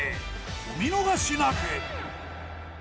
お見逃しなく。